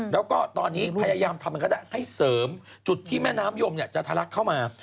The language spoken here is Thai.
แล้วก็ตอนนี้พยายามทำกันก็ได้ให้เสริมจุดที่แม่น้ำยมจะทะลักเข้ามา